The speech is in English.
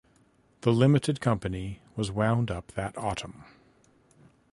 The limited company was wound up that autumn.